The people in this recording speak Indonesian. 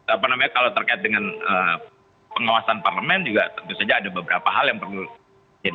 apa namanya kalau terkait dengan pengawasan parlemen juga tentu saja ada beberapa hal yang perlu